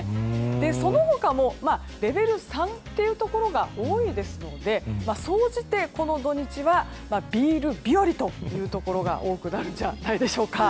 その他もレベル３のところが多いですので総じて、この土日はビール日和というところが多くなるんじゃないでしょうか。